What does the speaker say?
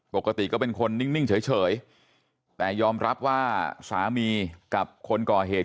ปกติก็เป็นคนนิ่งเฉยแต่ยอมรับว่าสามีกับคนก่อเหตุ